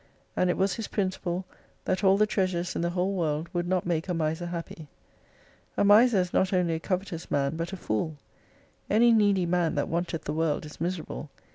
And it was his principle — That all the treasures in the whole world would not make a miser happy. A miser is not only a covetous man but a fool. Any needy man, that wanteth the world, is miserable.